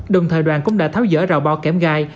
đồng thời đoàn cũng đã tháo dỡ rào bò kém gai